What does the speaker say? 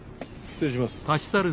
失礼します。